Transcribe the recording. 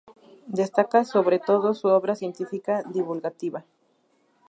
Destaca sobre todo su obra científica divulgativa.